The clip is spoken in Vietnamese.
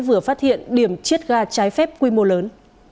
vừa phát hiện điểm chiết ga trái phép quy mô lớn